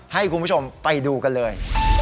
ให้คุณผู้ชมไปดูกันเลย